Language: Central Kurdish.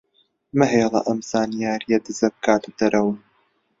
مەهێڵە ئەم زانیارییە دزە بکاتە دەرەوە.